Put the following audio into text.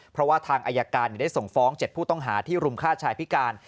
เพราะว่าทางอายการได้ส่งฟ้อง๗ผู้ต้องหาที่รุมฆ่าชายพิการ